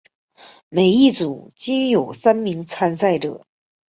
每一组均有三名参赛者。